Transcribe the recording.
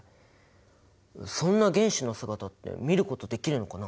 そんな原子の姿って見ることできるのかな？